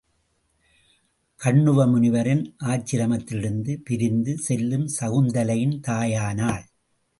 கண்ணுவ முனிவரின் ஆசிரமத்திலிருந்து பிரிந்து செல்லும் சகுந்தலையின் தாய் ஆனாள்.